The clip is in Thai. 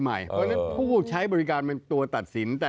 เพราะฉะนั้นผู้ใช้บริการเป็นตัวตัดสิน